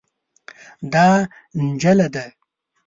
دا نجله ده.